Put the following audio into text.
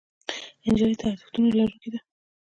نجلۍ د ارزښتونو لرونکې ده.